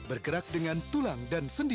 bergerak dengan tulang dan sendi